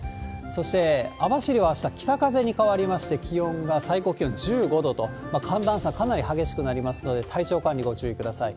そして、網走はあした、北風に変わりまして、気温が最高気温１５度と、寒暖差かなり激しくなりますので、体調管理ご注意ください。